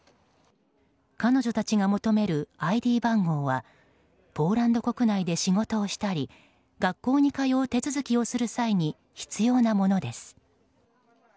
彼女たちが求めるＩＤ番号はポーランド国内で仕事をしたり学校に通う手続きをする際に必要なものです。